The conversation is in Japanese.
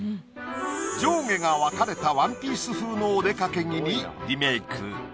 上下が分かれたワンピース風のお出かけ着にリメイク。